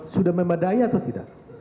sudah memadai atau tidak